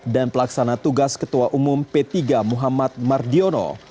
dan pelaksana tugas ketua umum p tiga muhammad mardiono